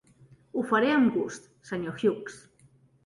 Ho faré amb gust, senyor Hughes.